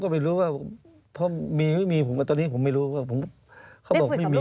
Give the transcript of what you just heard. ไม่รู้ว่าเพราะมีไม่มีผมก็ตอนนี้ผมไม่รู้ว่าเขาบอกไม่มี